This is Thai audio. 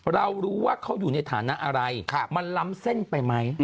เรารู้ว่าเขาอยู่ในฐานะอะไรมันล้ำเส้นไปไหม